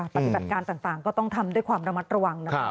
ปฏิบัติการต่างก็ต้องทำด้วยความระมัดระวังนะครับ